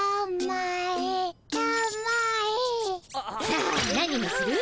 さあ何にする？